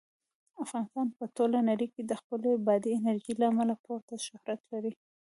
افغانستان په ټوله نړۍ کې د خپلې بادي انرژي له امله پوره شهرت لري.